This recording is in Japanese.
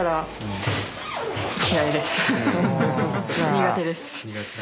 苦手です。